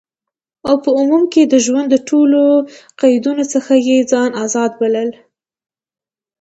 او په عموم کی د ژوند د ټولو قیدونو څخه یی ځان آزاد بلل،